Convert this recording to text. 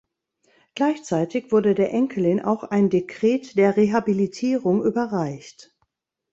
Gleichzeitig wurde der Enkelin auch ein Dekret der Rehabilitierung überreicht.